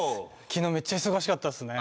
昨日めっちゃ忙しかったっすね。